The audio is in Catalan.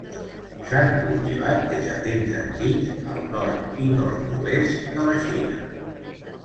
S'ha cultivat des de temps antics al nord i nord-oest de la Xina.